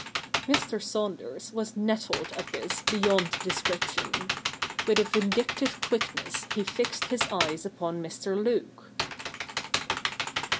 Mr. Saunders was nettled at this beyond description. With a vindictive quickness he fixed his eyes upon Mr. Luke.